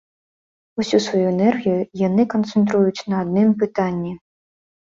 Усю сваю энергію яны канцэнтруюць на адным пытанні.